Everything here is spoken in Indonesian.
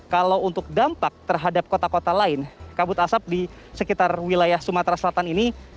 kalau untuk dampak terhadap kota kota lain kabut asap di sekitar wilayah sumatera selatan ini